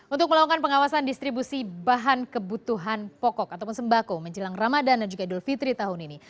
untuk melakukan pengawasan distribusi bahan kebutuhan pokok ataupun sembako menjelang ramadan dan juga idul fitri tahun ini